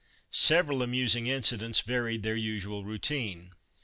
Several amusing incidents varied their usual routine.